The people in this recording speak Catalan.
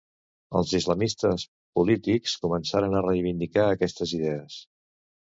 Els islamistes polítics començaran a reivindicar aquestes idees.